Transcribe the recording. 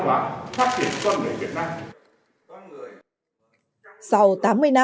về phát triển văn hóa phát triển con người việt nam